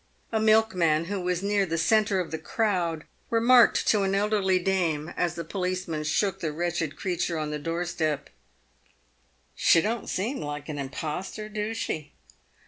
A milkman who was near the centre of the crowd remarked to an elderly dame, as the policeman shook the wretched creature on the door step, " She don't seem like an impostor, do she